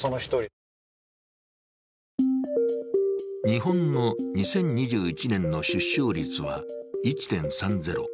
日本の２０２１年の出生率は１．３０。